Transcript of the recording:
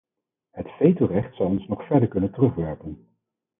Het vetorecht zou ons nog verder kunnen terugwerpen.